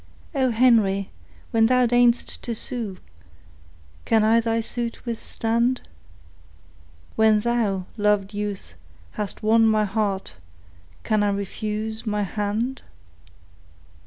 Henry, when thou deign'st to sue, Can I thy suit withstand? When thou, loved youth, hast won my heart, Can I refuse my hand?